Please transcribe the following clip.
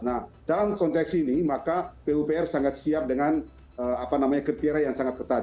nah dalam konteks ini maka pupr sangat siap dengan ketiara yang sangat ketat